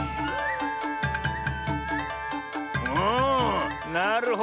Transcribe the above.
おおなるほど。